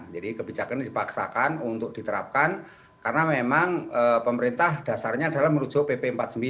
jadi kebijakan ini dipaksakan untuk diterapkan karena memang pemerintah dasarnya adalah menuju pp empat puluh sembilan